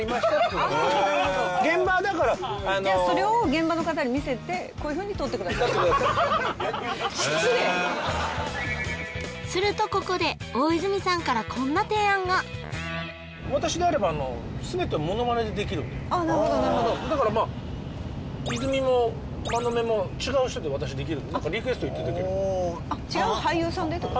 現場はだからじゃそれを現場の方に見せてするとここで大泉さんからこんな提案が私であればすべてモノマネでできるんでああなるほどなるほどだからまあ泉も馬目も違う人で私できるリクエスト言っていただければ違う俳優さんでってこと？